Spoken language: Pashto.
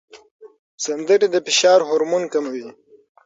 سندرې د فشار هورمون کموي.